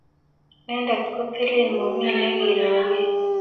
Inendet ko TiIiI - mami ne kiroge.